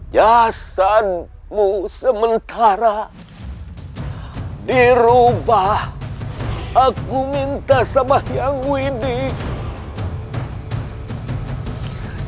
jasadmu sementara dirubah aku minta sama yang widih